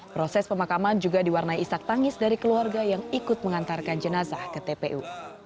proses pemakaman juga diwarnai isak tangis dari keluarga yang ikut mengantarkan jenazah ke tpu